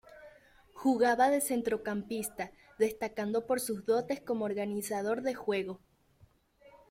Jugaba de centrocampista, destacando por sus dotes como organizador de juego.